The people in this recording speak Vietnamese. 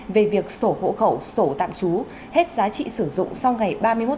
về việc sổ hỗ khẩu sổ tạm trú hết giá trị sử dụng sau ngày ba mươi một một mươi hai hai nghìn hai mươi hai